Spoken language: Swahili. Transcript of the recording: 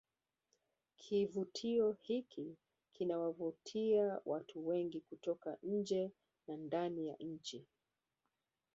kivutio hiki kinawavutia watu wengi kutoka nje na ndani ya nchi